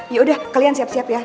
yaudah kalian siap siap ya